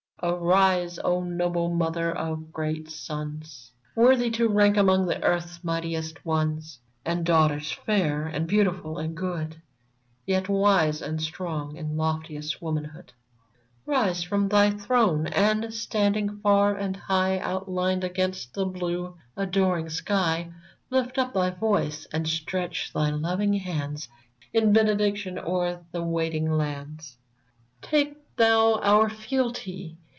Arise, O noble mother of great sons, Worthy to rank among earth's mightiest ones, And daughters fair and beautiful and good. Yet wise and strong in loftiest womanhood — VERMONT 125 Rise from thy throne, and, standing far and high Outhned against the blue, adoring sky, Lift up thy voice, and stretch thy loving hands In benediction o'er the waiting lands ! Take thou our fealty